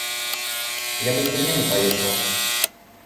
Я бы непременно поехала.